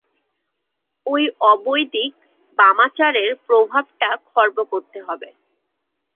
ঐ অবৈদিক বামাচারের প্রভাবটা খর্ব করতে হবে।